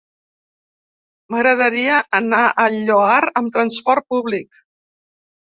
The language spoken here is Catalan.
M'agradaria anar al Lloar amb trasport públic.